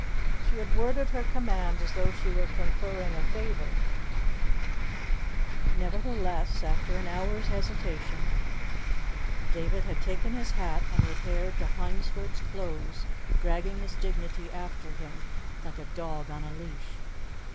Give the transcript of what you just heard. She had worded her command as though she were conferring a favour; nevertheless, after an hour's hesitation, David had taken his hat and repaired to Hyndford's Close, dragging his dignity after him like a dog on a leash.